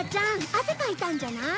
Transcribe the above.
汗かいたんじゃない？